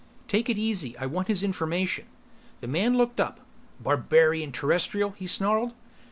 "Take it easy. I want his information." The man looked up. "Barbarian Terrestrial!" he snarled.